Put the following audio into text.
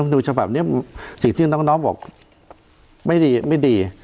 ดูฉบับนี้สิ่งที่น้องบอกไม่ดีไม่ดี